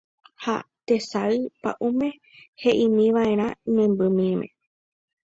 ha tesay pa'ũme he'ímiva'erã imembymíme